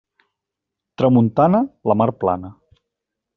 Tramuntana, la mar plana.